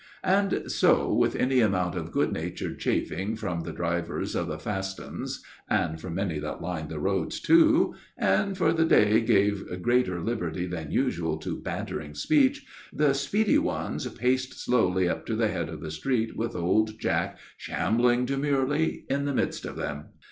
And so, with any amount of good natured chaffing from the drivers of the "fast 'uns," and from many that lined the road too, for the day gave greater liberty than usual to bantering speech, the speedy ones paced slowly up to the head of the street, with old Jack shambling demurely in the midst of them.